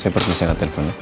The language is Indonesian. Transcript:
saya perliseng ke teleponnya